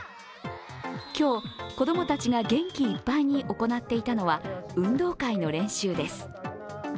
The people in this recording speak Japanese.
今日、子供たちが元気いっぱいに行っていたのは、運動会の練習です。